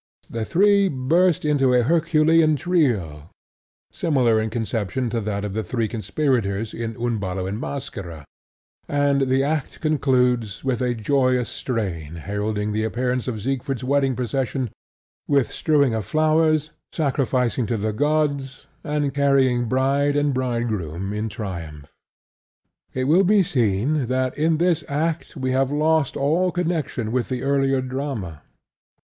The three burst into a herculean trio, similar in conception to that of the three conspirators in Un Ballo in Maschera; and the act concludes with a joyous strain heralding the appearance of Siegfried's wedding procession, with strewing of flowers, sacrificing to the gods, and carrying bride and bridegroom in triumph. It will be seen that in this act we have lost all connection with the earlier drama.